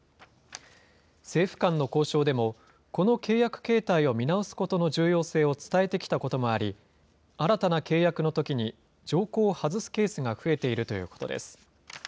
政府間の交渉でも、この契約形態を見直すことの重要性を伝えてきたこともあり、新たな契約のときに条項を外すケースが増えているということです。